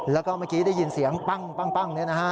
แล้วก็เมื่อกี้ได้ยินเสียงปั้งเนี่ยนะฮะ